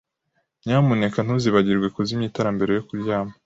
Nyamuneka ntuzibagirwe kuzimya itara mbere yo kuryama.